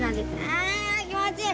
あ気持ちいい。